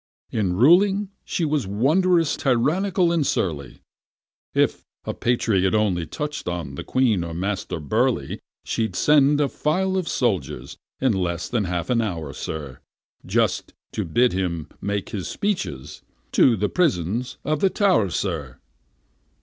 In ruling she was wonderous tyrannical and surly; If a patriot only touch'd on the Queen or Master Burleigh, She'd send a file of soldiers in less than half an hour, sir, Just to bid him make his speeches to the prisons of the Tow'r, sir!